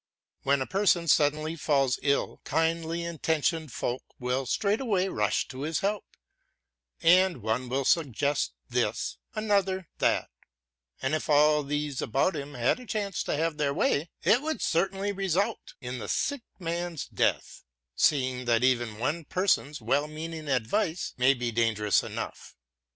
When a person suddenly falls ill, kindly intentioned folk will straightway rush to his help, and one will suggest this, another thatŌĆöand if all those about him had a chance to have their way it would certainly result in the sick man's death; seeing that even one person's well meaning advice may be dangerous enough.